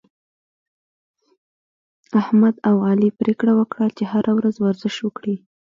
احمد او علي پرېکړه وکړه، چې هره ورځ ورزش وکړي